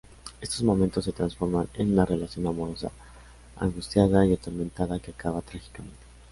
Estos momentos se transforman en una relación amorosa, angustiada y atormentada que acaba trágicamente.